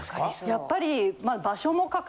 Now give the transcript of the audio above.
やっぱり。